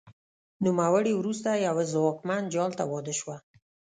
نوموړې وروسته یوه ځواکمن جال ته واده شوه